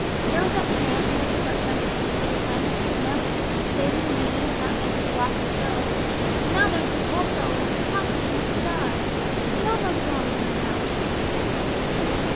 There was that tramp who must have got drunk with your sixpence, and then there was saving me, and that made you so awfully ill, and now here's this old fellow that perhaps we shall make die. It all goes wrong, somehow."